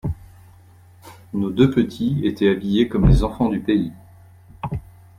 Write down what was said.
Nos deux petits étaient habillés comme les enfants du pays.